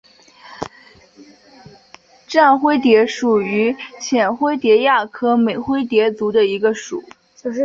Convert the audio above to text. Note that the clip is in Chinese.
绽灰蝶属是线灰蝶亚科美灰蝶族中的一个属。